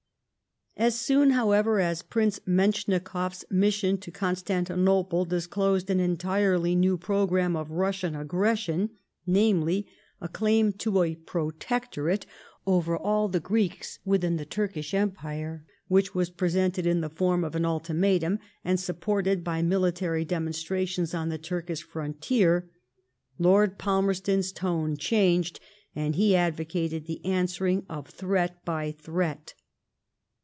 As soon, however, as Pridee Menschikoff's mission to Constantinople disclosed an entirely new programme of Bussian aggression, namely, a claim to a protectorate r THE ABEBBEEN MINI8TBT. 161 ^v6r all the Greeks within the Turkish Empire, which was presented in the form of an ultimatum and sup ported by military demonstrations on the Turkish fron tier. Lord Falmerston's tone changed, and he advooated the answering of threat by threat.